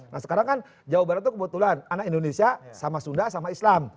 nah sekarang kan jawa barat itu kebetulan anak indonesia sama sunda sama islam